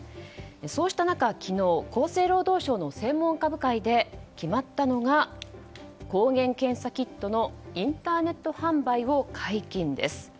そうした中、昨日厚生労働省の専門家部会で決まったのが抗原検査キットのインターネット販売を解禁です。